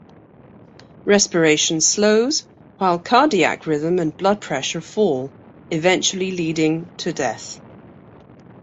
Respiration slows, while cardiac rhythm and blood pressure fall, eventually leading to death.